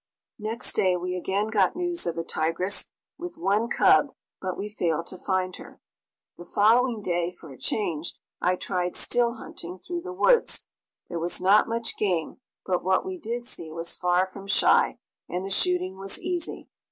Next day we again got news of a tigress, with one cub, but we failed to find her. The following day, for a change, I tried still hunting through the woods. There was not much game, but what we did see was far from shy, and the shooting was easy.